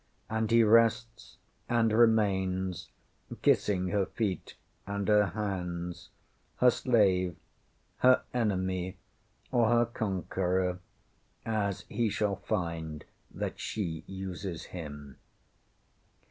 And he rests and remains, kissing her feet and her hands, her slave, her enemy, or her conqueror, as he shall find that she uses him.